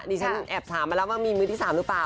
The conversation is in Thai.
ฉันแอบถามมาแล้วว่ามีมือที่๓หรือเปล่า